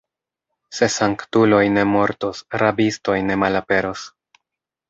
Se sanktuloj ne mortos, rabistoj ne malaperos.